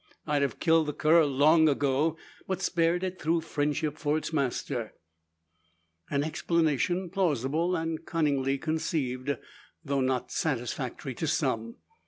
I'd have killed the cur long ago, but spared it through friendship for its master." An explanation plausible, and cunningly conceived; though not satisfactory to some.